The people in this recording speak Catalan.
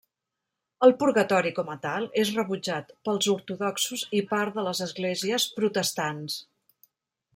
El purgatori com a tal és rebutjat pels ortodoxos i part de les esglésies protestants.